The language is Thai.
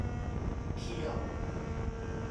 เที่ยว